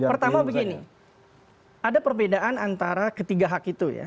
pertama begini ada perbedaan antara ketiga hak itu ya